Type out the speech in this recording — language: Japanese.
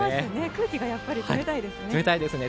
空気が冷たいですね。